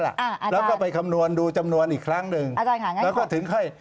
แล้วก็ไปคำนวณดูจำนวนอีกครั้งหนึ่ง